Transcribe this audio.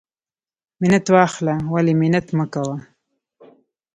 منت واخله ولی منت مکوه.